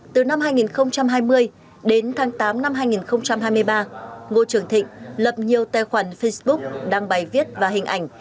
từ năm hai nghìn hai mươi đến tháng tám năm hai nghìn hai mươi ba ngô trường thịnh lập nhiều tài khoản facebook đăng bài viết và hình ảnh